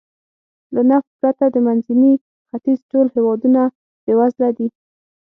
له نفت پرته د منځني ختیځ ټول هېوادونه بېوزله دي.